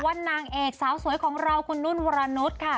ว่านางเอกสาวสวยของเราคุณนุ่นวารณุฎค่ะ